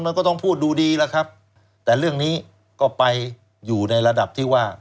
มันก็ต้องพูดดูดีแล้วครับแต่เรื่องนี้ก็ไปอยู่ในระดับที่ว่า